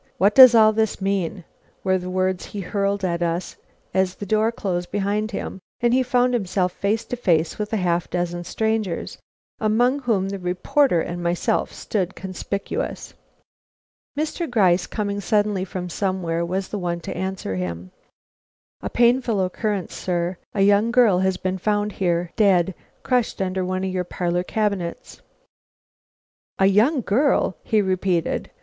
What does all this mean?" were the words he hurled at us as the door closed behind him and he found himself face to face with a half dozen strangers, among whom the reporter and myself stood conspicuous. Mr. Gryce, coming suddenly from somewhere, was the one to answer him. "A painful occurrence, sir. A young girl has been found here, dead, crushed under one of your parlor cabinets." "A young girl!" he repeated.